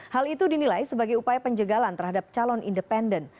hal itu dinilai sebagai upaya penjagalan terhadap calon independen